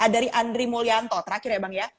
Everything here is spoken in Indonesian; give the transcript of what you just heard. dari andri mulyanto terakhir ya bang ya